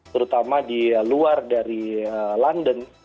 terutama di luar dari london